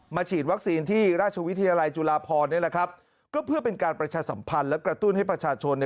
ฉีดวัคซีนที่ราชวิทยาลัยจุฬาพรนี่แหละครับก็เพื่อเป็นการประชาสัมพันธ์และกระตุ้นให้ประชาชนเนี่ย